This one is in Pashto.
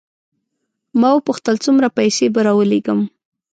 ما وپوښتل څومره پیسې به راولېږم.